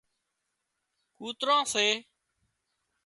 ڪوتران سي